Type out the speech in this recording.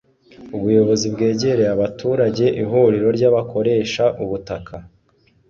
ubuyobozi bwegereye abaturage ihuriro ry'abakoresha ubutaka,